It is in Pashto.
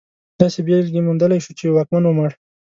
داسې بېلګې موندلی شو چې یو واکمن ومړ.